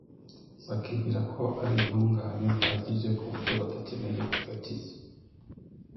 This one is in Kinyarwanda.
bakibwira ko ari intungane bihagije ku buryo badakeneye agakiza,